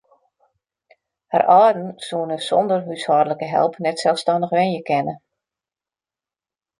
Har âlden soene sonder húshâldlike help net selsstannich wenje kinne.